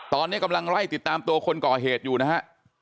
ตอนนี้กำลังไล่ติดตามตัวคนก่อเหตุอยู่นะฮะ